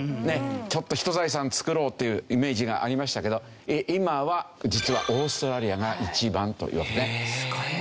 「ちょっとひと財産作ろう」というイメージがありましたけど今は実はオーストラリアが一番というわけですね。